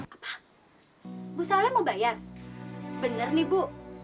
apa bu soalnya mau bayar bener nih bu